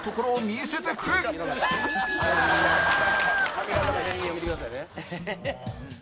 「髪形の変移を見てくださいね」